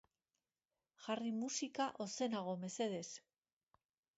Jarri musika ozenago, mesedez